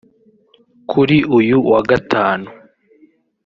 Kuri uyu wa Gatanu